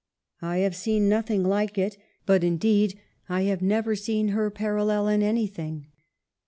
I have seen nothing like it ; but, indeed, I have never seen her parallel in anything.